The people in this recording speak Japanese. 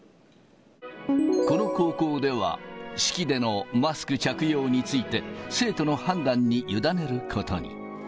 この高校では、式でのマスク着用について、生徒の判断に委ねることに。